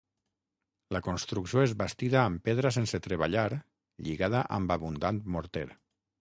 La construcció és bastida amb pedra sense treballar lligada amb abundant morter.